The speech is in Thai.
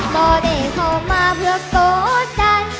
บ่ได้เข้ามาเพื่อโป๊ดใจ